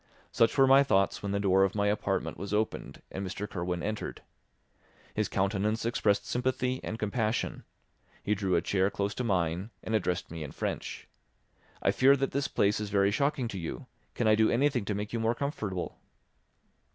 Such were my thoughts when the door of my apartment was opened and Mr. Kirwin entered. His countenance expressed sympathy and compassion; he drew a chair close to mine and addressed me in French, "I fear that this place is very shocking to you; can I do anything to make you more comfortable?"